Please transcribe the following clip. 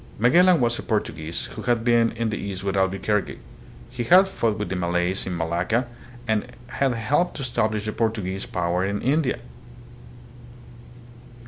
Magellan was a Portuguese, who had been in the East with Albuquerque. He had fought with the Malays in Malacca, and had helped to establish the Portuguese power in India.